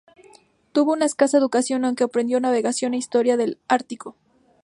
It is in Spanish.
Tuvo una escasa educación, aunque aprendió navegación e historia del ártico.